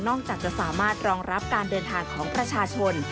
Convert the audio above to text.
จากจะสามารถรองรับการเดินทางของประชาชน